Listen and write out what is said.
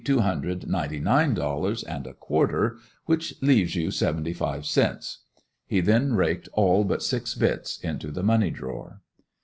two hundred ninety nine dollars and a quarter, which leaves you seventy five cents." He then raked all but six bits into the money drawer.